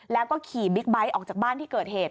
แล้วก็ขี่บิ๊กไบท์ออกจากบ้านที่เกิดเหตุ